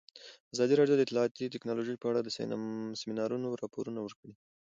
ازادي راډیو د اطلاعاتی تکنالوژي په اړه د سیمینارونو راپورونه ورکړي.